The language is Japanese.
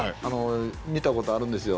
見たことがあるんですよ。